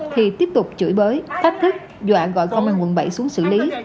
thì tiếp tục chửi bới thách thức dọa gọi công an quận bảy xuống xử lý